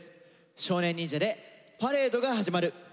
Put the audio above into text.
少年忍者で「パレードが始まる」。